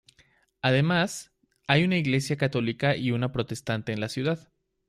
Además, hay una iglesia católica y una protestante en la ciudad.